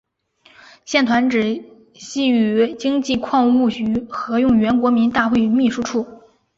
现团址系与经济部矿务局合用原国民大会秘书处。